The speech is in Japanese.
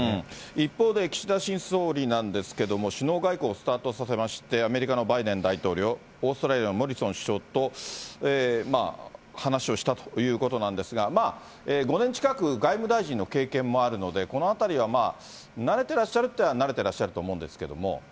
一方で、岸田新総理なんですけれども、首脳外交をスタートさせまして、アメリカのバイデン大統領、オーストラリアのモリソン首相と話をしたということなんですが、５年近く外務大臣の経験もあるので、このあたりはまあ、慣れてらっしゃるといえば慣れてらっしゃると思うんですけれども。